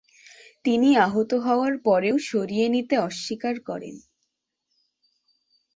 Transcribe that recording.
তিনি আহত হওয়ার পরেও সরিয়ে নিতে অস্বীকার করেন।